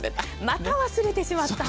また忘れてしまった。